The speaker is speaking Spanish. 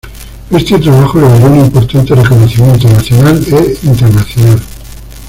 Este trabajo le valió un importante reconocimiento nacional e internacional.